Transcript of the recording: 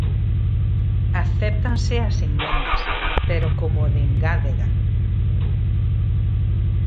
Acéptanse as emendas, pero como de engádega.